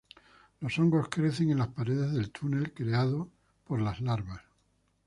Los hongos crecen en las paredes del túnel creado por las larvas.